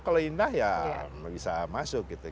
kalau indah ya bisa masuk gitu